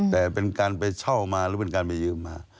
แต่เป็นการไปเช่ามาหรือเป็นการไปยืมมา